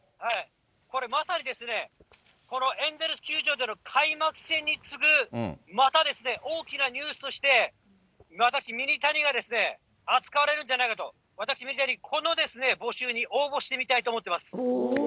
これ、まさにですね、このエンゼルス球場での開幕戦に次ぐまたですね、大きなニュースとして、私、ミニタニが扱われるんじゃないかと、私ミニタニ、この募集に応募してみたいと思います。